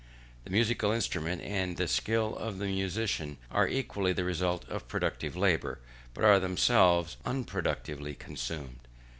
The musical instrument and the skill of the musician are equally the result of productive labour, but are themselves unproductively consumed.